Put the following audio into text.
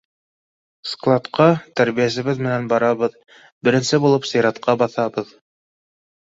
Складҡа тәрбиәсебеҙ менән барабыҙ, беренсе булып сиратҡа баҫабыҙ.